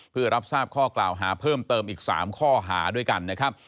เพื่อรับทราบข้อกล่าวหาเพิ่มเติมอีก๓ข้อหาด้วยกันนะครับ